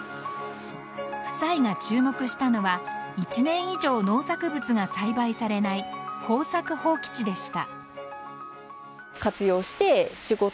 夫妻が注目したのは１年以上、農作物が栽培されない耕作放棄地でした。